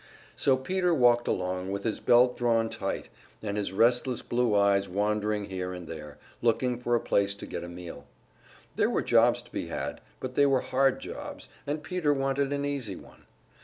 So Peter walked along, with his belt drawn tight, and his restless blue eyes wandering here and there, looking for a place to get a meal. There were jobs to be had, but they were hard jobs, and Peter wanted an easy one.